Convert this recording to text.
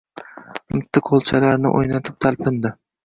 Mitti qo‘lchalarini o‘ynatib talpindi